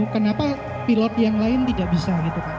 kenapa pilot yang lain tidak bisa